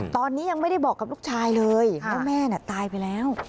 ตอนนี้ยังไม่ได้บอกกับลูกชายเลยว่าแม่ตายไปแล้ว